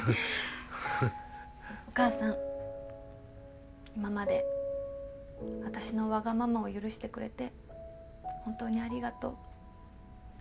お母さん今まで私のわがままを許してくれて本当にありがとう。